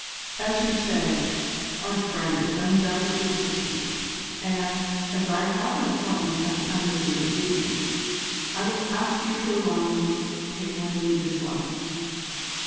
As you say, our friend is undoubtedly fatigued, and, as I have an appointment at the Embassy this evening, I will ask you to allow me to take my leave as well."